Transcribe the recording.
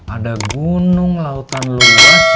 ada gunung lautan luas